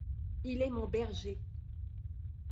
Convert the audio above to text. Il est mon berger.